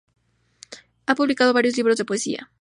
Ha publicado varios libros de poesía.